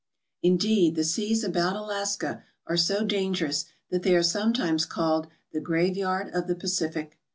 Indeed, the seas about Alaska are so dangerous that they are sometimes called the "Graveyard of the Pacific."